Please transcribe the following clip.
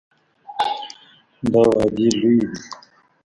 دا وعدې لویې دي.